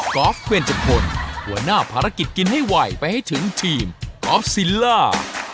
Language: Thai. อล์ฟเวรจุพลหัวหน้าภารกิจกินให้ไวไปให้ถึงทีมออฟซิลล่า